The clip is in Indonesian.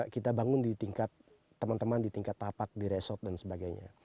kita bangun di tingkat teman teman di tingkat tapak di resort dan sebagainya